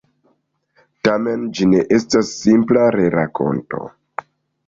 Tamen ĝi ne estas simpla rerakonto.